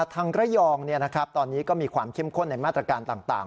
ทางระยองตอนนี้ก็มีความเข้มข้นในมาตรการต่าง